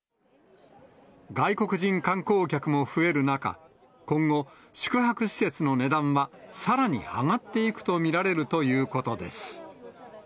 外国人観光客も増える中、今後、宿泊施設の値段はさらに上がっていくと見られるということです。